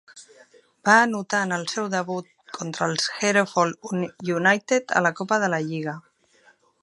Va anotar en el seu debut contra els Hereford United a la Copa de la Lliga.